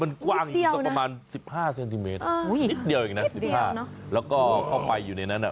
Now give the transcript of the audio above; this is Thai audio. มันกว้างอยู่สักประมาณ๑๕เซนติเมตรนิดเดียวเองนะ๑๕แล้วก็เข้าไปอยู่ในนั้น